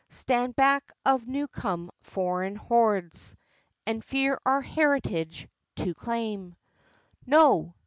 Stand back of new come foreign hordes, And fear our heritage to claim? No!